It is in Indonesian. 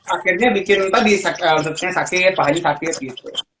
akhirnya bikin entah bisa sakit pahit sakit gitu